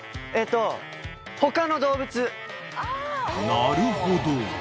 ［なるほど］